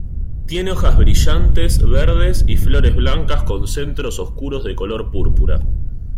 Tiene hojas brillantes verdes y flores blancas con centros oscuros de color púrpura.